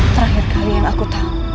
terakhir kali yang aku tahu